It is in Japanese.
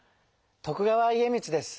徳川家光です。